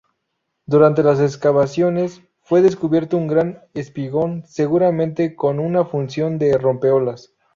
Durante las excavaciones fue descubierto un gran espigón, seguramente con una función de rompeolas.